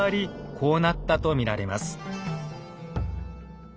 こうなったと見られます。